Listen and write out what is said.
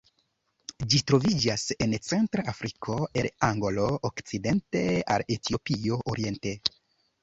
Ĝi troviĝas en centra Afriko, el Angolo okcidente al Etiopio oriente.